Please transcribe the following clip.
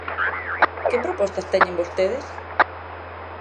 ¿Que propostas teñen vostedes?